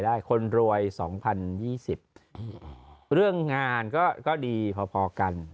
คนรวย๒๐๒๐เรื่องงานก็ดีพอกัน